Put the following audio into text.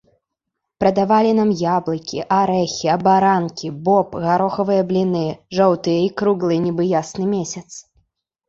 Прадавалі нам яблыкі, арэхі, абаранкі, боб, гарохавыя бліны, жоўтыя і круглыя, нібы ясны месяц.